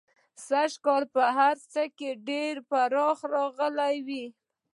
سږنی کال په هر څه کې ډېره پراخي راغلې وه.